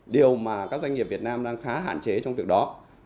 điều mà các doanh nghiệp việt nam đang khá hạn chế trong việc đó